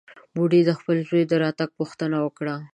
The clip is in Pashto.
بوډۍ د خپل زوى د راتګ پوښتنه وکړه.